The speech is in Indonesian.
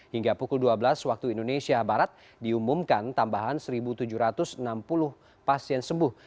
hingga pukul dua belas waktu indonesia barat diumumkan tambahan satu tujuh ratus enam puluh pasien sembuh